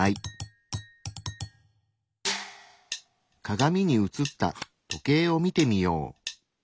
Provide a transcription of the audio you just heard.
鏡に映った時計を見てみよう。